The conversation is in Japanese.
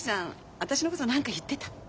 私のこと何か言ってた？